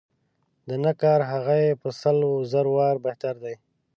د نه کار هغه یې په سل و زر واره بهتر دی.